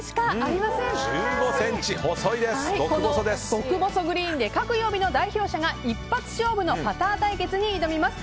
極細グリーンで各曜日の代表者が一発勝負のパター対決に挑みます。